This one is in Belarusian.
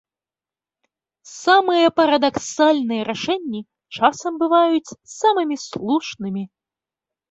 Самыя парадаксальныя рашэнні часам бываюць самымі слушнымі.